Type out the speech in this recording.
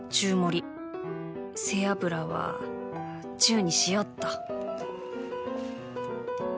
背油は中にしようっと